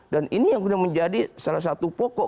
dan ini yang sudah menjadi salah satu pokok